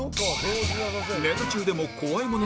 ネタ中でも怖いもの